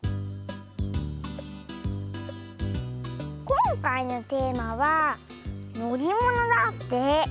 こんかいのテーマは「のりもの」だって。